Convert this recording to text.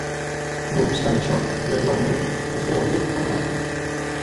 No obstant això, gradualment, es veu atret per Marta.